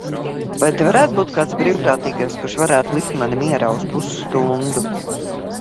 Vai te varētu būt kāds brīvprātīgais, kurš varētu likt mani mierā uz pusstundu?